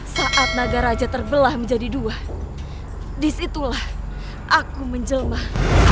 saat nagaraja terbelah menjadi dua disitulah aku menjelmah